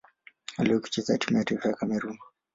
Aliwahi kucheza timu ya taifa ya Kamerun.